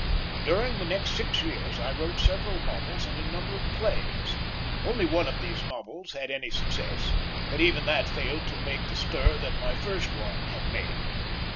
During the next six years I wrote several novels and a number of plays. Only one of these novels had any success, but even that failed to make the stir that my first one had made.